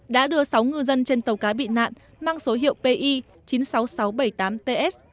đã đưa sáu ngư dân trên tàu cá bị nạn mang số hiệu pi chín mươi sáu nghìn sáu trăm bảy mươi tám ts